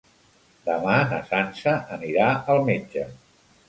Demà na Sança anirà al metge.